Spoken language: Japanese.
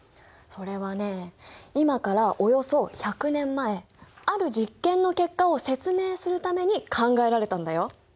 それはね今からおよそ１００年前ある実験の結果を説明するために考えられたんだよ。